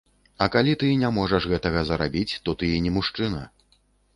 А калі ты не можаш гэтага зарабіць, то ты і не мужчына.